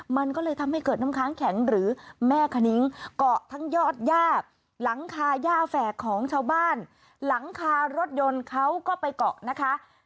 มันก็เลยทำให้เกิดน้ำค้างแข็งหรือแม่คณิ้งเกาะทั้งยอดย่าหลังคาย่าแฝกของชาวบ้านหลังคารถยนต์เขาก็ไปเกาะนะคะ